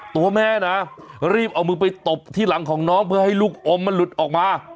ตัวแม่นะรีบเอามือไปตบที่หลังของน้องเพื่อให้ลูกอมมันหลุดออกมา